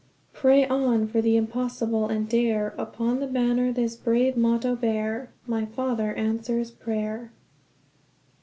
Pray on for the impossible, and dare Upon thy banner this brave motto bear, 'My Father answers prayer.'"